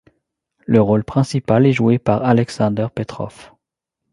Le rôle principal est joué par Alexander Petrov.